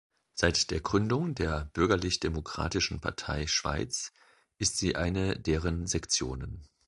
Seit der Gründung der Bürgerlich-Demokratischen Partei Schweiz ist sie eine deren Sektionen.